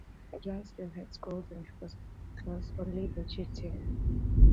Johann still hates school, and he passes his classes only by cheating.